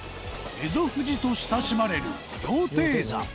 蝦夷富士と親しまれる羊蹄山